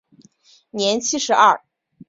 年七十二。